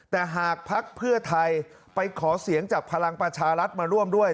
แต่หากภักดิ์เพื่อไทยไปขอเสียงจากพลังประชารัฐมาร่วมด้วย